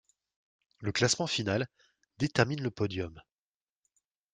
Le classement final détermine le podium.